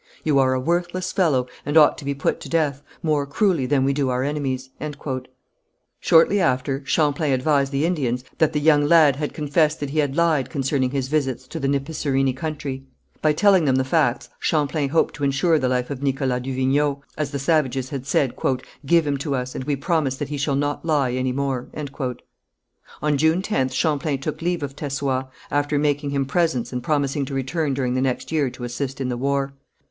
You are a worthless fellow and ought to be put to death, more cruelly than we do our enemies." Shortly after, Champlain advised the Indians that the young lad had confessed that he had lied concerning his visits to the Nipissirini country. By telling them the facts Champlain hoped to ensure the life of Nicholas du Vignau, as the savages had said, "Give him to us, and we promise that he shall not lie any more." On June 10th Champlain took leave of Tessoüat, after making him presents and promising to return during the next year to assist in the war.